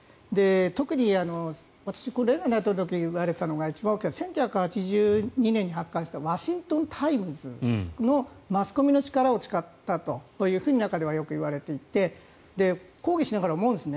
特に私、レーガン大統領の時に言われていたのが一番大きいのは１９８２年に発刊したワシントン・タイムズのマスコミの力を使ったとこういうふうに中ではよく言われていて講義しながら思うんです。